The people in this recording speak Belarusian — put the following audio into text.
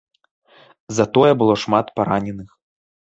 Затое было шмат параненых.